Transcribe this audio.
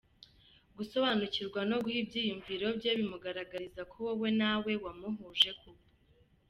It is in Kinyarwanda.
Gusobanukirwa no guha ibyiyumviro bye bimugaragariza ko wowe na we muhuje koko.